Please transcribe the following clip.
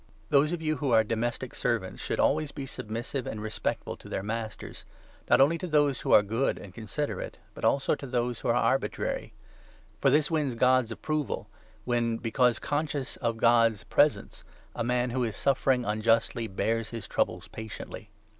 Those of you who are domestic servants should 18 ''servants?* always be submissive and respectful to their masters, not only, to those who are good and considerate, but also to those who are arbitrary. For this 19 wins God's approval when, because conscious of God's pre sence, a man who is suffering unjustly bears his troubles patiently.